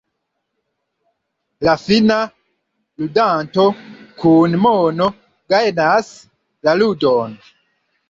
La fina ludanto kun mono gajnas la ludon.